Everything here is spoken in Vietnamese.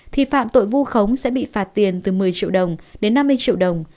thì phạm tội vu khống sẽ bị phạt tiền từ một mươi triệu đồng đến năm mươi triệu đồng